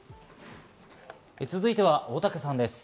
続いては大竹さんです。